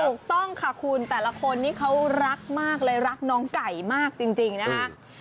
ถูกต้องค่ะคุณแต่ละคนนี้เขารักมากเลยรักน้องไก่มากจริงนะคะ